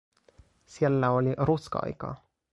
Siellä oli ruska-aika.